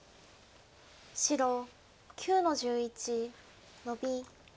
白９の十一ノビ。